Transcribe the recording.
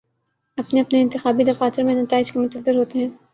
اپنے اپنے انتخابی دفاتر میں نتائج کے منتظر ہوتے ہیں